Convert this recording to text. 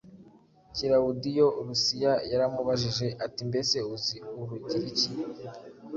Kilawudiyo Lusiya yaramubajije ati, “Mbese uzi Urugiriki?